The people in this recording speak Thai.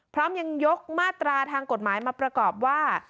พร้อมยังยกมาตราทางกฎหมายมาประกอบว่า